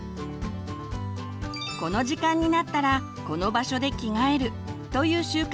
この時間になったらこの場所で着替えるという習慣